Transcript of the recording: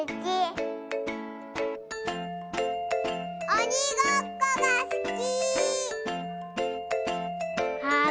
おにごっこがすき。